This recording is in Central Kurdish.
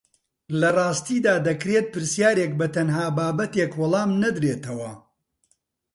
لە ڕاستیدا دەکرێت پرسیارێک بە تەنها بابەتێک وەڵام نەدرێتەوە